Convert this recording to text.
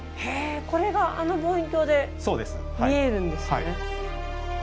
これがあの望遠鏡で見えるんですね。